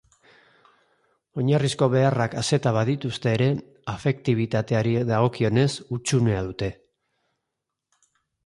Oinarrizko beharrak aseta badituzte ere, afektibitateari dagokionez, hutsunea dute.